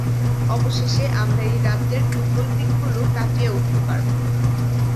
অবশেষে আমরা এই রাজ্যের দুর্বল দিকগুলো কাটিয়ে উঠতে পারবো।